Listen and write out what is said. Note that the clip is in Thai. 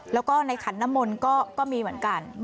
แล้วก็ในขันน้ำมนต์ก็มีเหมือนกัน